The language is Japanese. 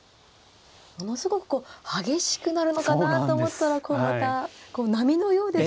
ものすごく激しくなるのかなと思ったらこうまた波のようですよね